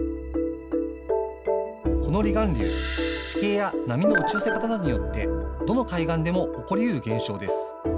この離岸流、地形や波の打ち寄せ方などによってどの海岸でも起こりうる現象です。